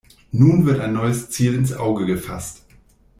Nun wird ein neues Ziel ins Auge gefasst.